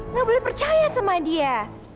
nggak boleh percaya sama dia